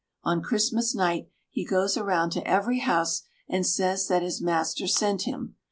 On Christmas night he goes around to every house, and says that his master sent him.